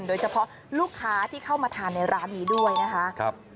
โดยเฉพาะลูกค้าที่เข้ามาทานในร้านนี้ด้วยนะคะ